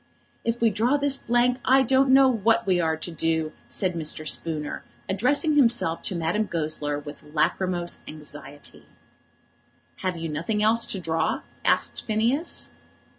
"If we draw this blank I don't know what we are to do," said Mr. Spooner, addressing himself to Madame Goesler with lachrymose anxiety. "Have you nothing else to draw?" asked Phineas.